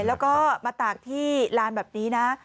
แล้วก็มาตากที่ลานแบบนี้นะ